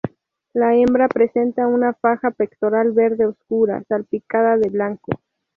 La hembra presenta una faja pectoral verde oscura, salpicada de blanco.